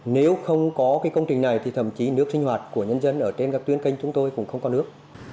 nếu không có công trình này thì thậm chí nước sinh hoạt của nhân dân ở trên các tuyến canh chúng tôi cũng không có nước